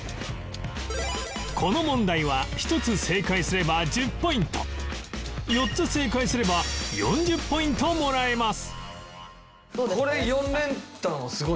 この問題は１つ正解すれば１０ポイント４つ正解すれば４０ポイントもらえます